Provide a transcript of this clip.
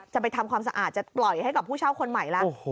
จะไปทำความสะอาดจะปล่อยให้กับผู้เช่าคนใหม่แล้ว